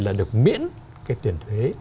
là được miễn cái tiền thuế